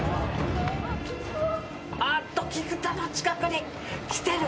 あっと菊田の近くに来てる。